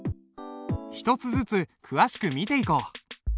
一つずつ詳しく見ていこう。